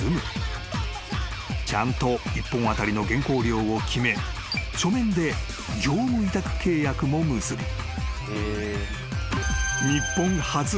［ちゃんと一本当たりの原稿料を決め書面で業務委託契約も結び日本初。